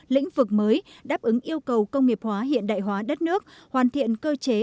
lĩnh vực mới đáp ứng yêu cầu công nghiệp hóa hiện đại hóa đất nước hoàn thiện cơ chế